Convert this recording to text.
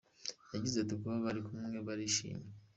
Yagize ati “Kuba bari kumwe barishimye.